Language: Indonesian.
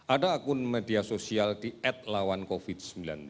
ada akun media sosial di atlawancovid sembilan belas